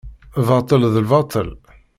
Baṭel d lbaṭel.